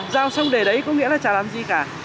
giao xong để đấy có nghĩa là chả làm gì cả